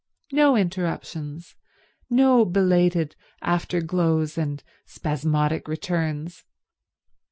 No interruptions, no belated after glows and spasmodic returns.